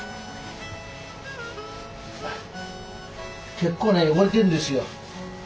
結構ね汚れてるんですよ。